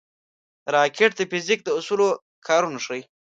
راکټ د فزیک د اصولو کارونه ښيي